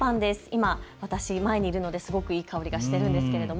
今私前にいるのですごくいい香りがしています。